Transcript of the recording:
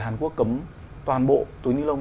hàn quốc cấm toàn bộ túi nilon